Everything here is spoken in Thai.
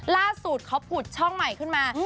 ล่าสุดเขาผุดช่องใหม่ขึ้นมา